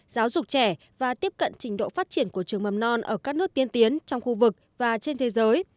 giáo dục trẻ và tiếp cận trình độ phát triển của trường mầm non ở các nước tiên tiến trong khu vực và trên thế giới